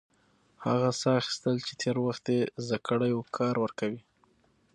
هغه ساه اخیستل چې تېر وخت يې زده کړی و، کار ورکوي.